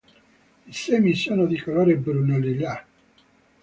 I semi sono di colore bruno-lillà.